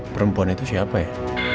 perempuan itu siapa ya